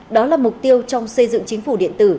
đó là mục tiêu trong xây dựng chính phủ điện tử